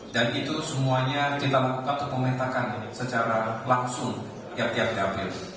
dan itu semuanya kita lakukan untuk memintakan secara langsung tiap tiap dape